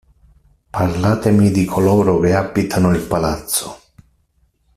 Parlatemi di coloro che abitano il palazzo.